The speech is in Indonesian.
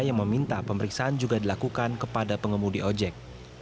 yang meminta pemeriksaan juga dilakukan kepada pengemudi ojek